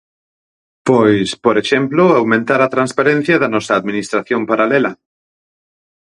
Pois, por exemplo, aumentar a transparencia da nosa administración paralela.